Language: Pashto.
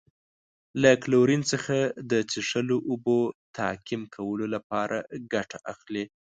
له کلورین څخه د څښلو اوبو تعقیم کولو لپاره ګټه اخلي.